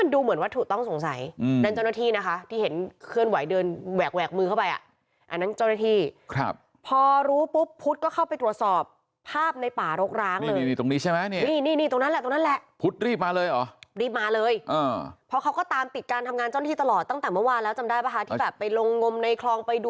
เจออะไรรู้ไหมคะภรมเช็ดเท้าค่ะมันเป็นแค่ถูกทิ้งไว้ในป่า